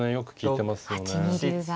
８二竜が。